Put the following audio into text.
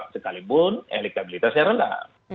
sekalipun elitabilitasnya rendah